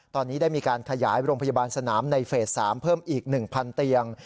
ตอนนี้ได้มีการขยายโรงพยาบาลสนามในเฟส๓เพิ่มอีก๑๐๐เตียง